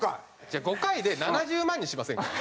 じゃあ５回で７０万にしませんか？